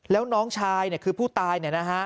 แล้วน้องชายคือผู้ตายเนี่ยนะฮะ